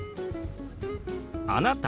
「あなた？」。